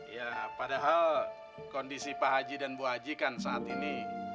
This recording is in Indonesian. ya padahal kondisi pak haji dan bu haji kan saat ini